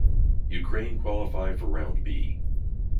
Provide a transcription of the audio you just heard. Ukraine qualify for Round B.